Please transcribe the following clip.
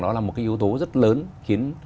nó là một yếu tố rất lớn khiến